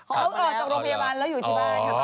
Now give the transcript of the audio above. เขาออกจากโรงพยาบาลแล้วอยู่ที่บ้านค่ะ